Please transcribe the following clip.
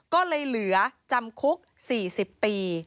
ก็เลยเหลือจำคุก๔๐ปี